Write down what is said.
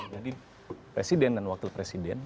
jadi presiden dan wakil presiden